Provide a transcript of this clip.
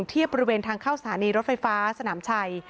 เทียบบริเวณทางเข้าสถานีรถไฟฟ้าสนามชัย